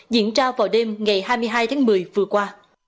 diễn ra vào đêm ngày hai mươi hai tháng một mươi vừa qua